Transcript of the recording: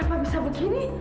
kenapa bisa begini